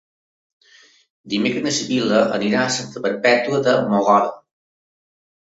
Dimecres na Sibil·la irà a Santa Perpètua de Mogoda.